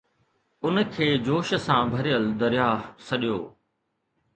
ان کي جوش سان ڀريل درياهه سڏيو